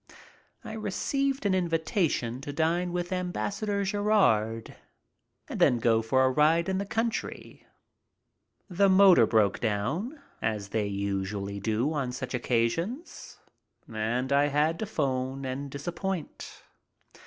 I received an invitation to dine with Ambassador Gerard and then go for a ride in the country. The motor broke down, as they usually do on such occasions, and I had to phone and disappoint.